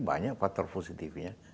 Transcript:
banyak faktor positifnya